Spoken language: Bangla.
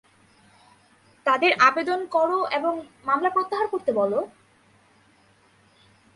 তাদের আবেদন কর এবং মামলা প্রত্যাহার করতে বল।